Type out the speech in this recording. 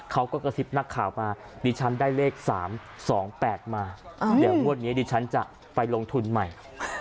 กระซิบนักข่าวมาดิฉันได้เลข๓๒๘มาเดี๋ยวงวดนี้ดิฉันจะไปลงทุนใหม่